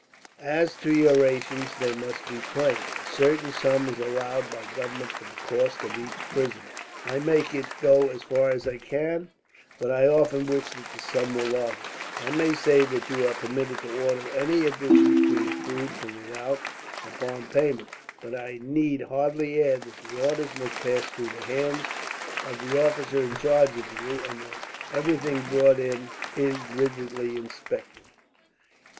"As to your rations, they must be plain. A certain sum is allowed by government for the cost of each prisoner. I make it go as far as I can, but I often wish that the sum were larger. I may say that you are permitted to order any additions to your food from without, upon payment; but I need hardly add that the orders must pass through the hands of the officer in charge of you, and that everything brought in is rigidly inspected."